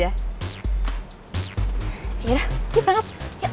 yaudah yuk rangup